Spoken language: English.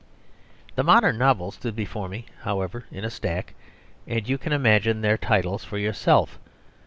The modern novels stood before me, however, in a stack; and you can imagine their titles for yourself.